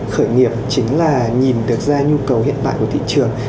khởi nghiệp chính là nhìn được ra nhu cầu hiện tại của thị trường